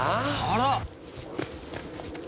あら！